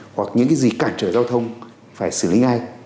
hoặc những cái gì cản trở giao thông phải xử lý ngay